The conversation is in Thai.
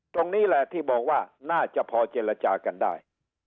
ตรงนี้แหละที่บอกว่าน่าจะพอเจรจากันได้